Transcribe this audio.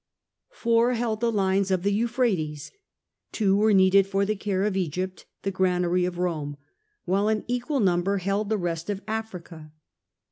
Four held the lines of the Euphrates, two were needed for the care of Egypt, the granary of Rome, while an equal number held tl^e rest of Africa.